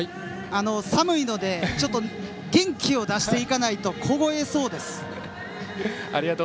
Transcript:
寒いので元気を出していかないとこごえそうです。